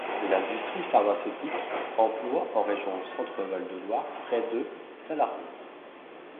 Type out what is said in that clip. L’industrie pharmaceutique emploie en région Centre-Val de Loire près de salariés.